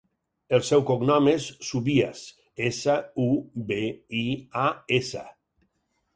El seu cognom és Subias: essa, u, be, i, a, essa.